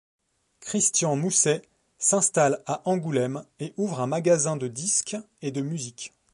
Christian Mousset s'installe à Angoulême et ouvre un magasin de disques et de musique.